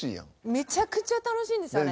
めちゃくちゃ楽しいんですあれ。